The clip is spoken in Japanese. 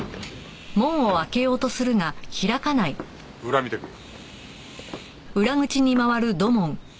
裏見てくる。